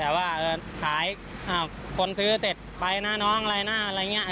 แต่ว่าขายคนซื้อเสร็จไปหน้าน้องอะไรอย่างนี้